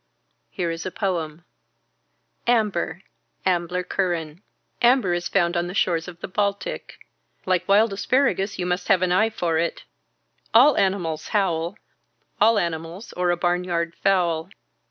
Here is a poem. Amber. Ambler Curran. Amber is found on the shores of the Baltic. Like wild asparagus you must have an eye for it. All animals howl. All animals or a barnyard fowl.